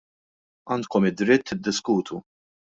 Għandkom id-dritt tiddiskutu.